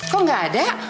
kok gak ada